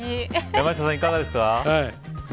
山下さん、いかがですか。